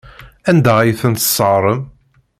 Anda ay tent-tesseɣrem?